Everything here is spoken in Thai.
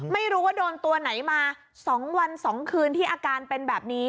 ไม่รู้ว่าโดนตัวไหนมา๒วัน๒คืนที่อาการเป็นแบบนี้